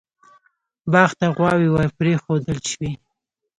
باغ ته غواوې ور پرېښودل شوې.